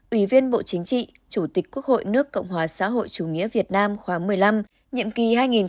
ủy viên bộ chính trị chủ tịch quốc hội nước cộng hòa xã hội chủ nghĩa việt nam khóa một mươi năm nhiệm kỳ hai nghìn một mươi sáu hai nghìn hai mươi sáu